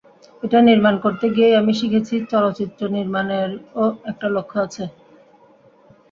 এটা নির্মাণ করতে গিয়েই আমি শিখেছি, চলচ্চিত্র নির্মাণেরও একটা লক্ষ্য আছে।